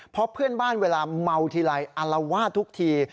เพราะเพื่อนบ้านเวลาเมาทีไรอัลวาดทุกที